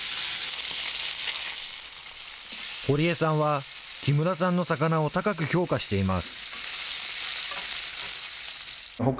堀江さんは、木村さんの魚を高く評価しています。